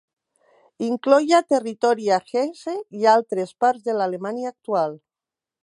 Incloïa territori a Hesse i altres parts de l'Alemanya actual.